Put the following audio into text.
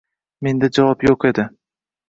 Menda javob yo`q edi